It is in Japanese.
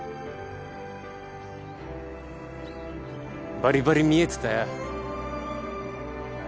バリバリ見えてたよ。